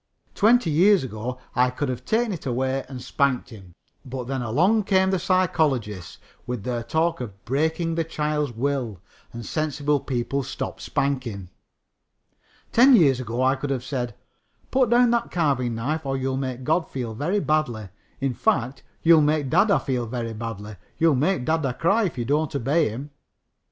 Twenty years ago I could have taken it away and spanked him, but then along came the psychologists with their talk of breaking the child's will, and sensible people stopped spanking. Ten years ago I could have said, "Put down that carving knife or you'll make God feel very badly. In fact, you'll make dada feel very badly. You'll make dada cry if you don't obey him."